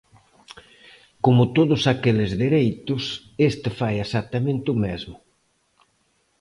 Como todos aqueles dereitos, este fai exactamente o mesmo.